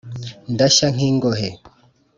ndashyank' ingohe